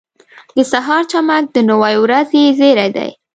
• د سهار چمک د نوې ورځې زېری دی.